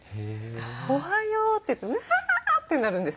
「おはよう」って言うとうわってなるんです。